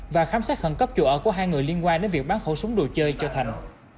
và khám xét khẩn cấp chùa ở của hai người liên quan đến việc bán khẩu súng đồ chơi cho thành